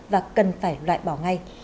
và cần phải loại bỏ ngay